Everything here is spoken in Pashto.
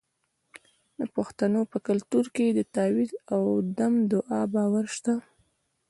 د پښتنو په کلتور کې د تعویذ او دم دعا باور شته.